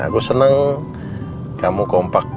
aku seneng kamu kompak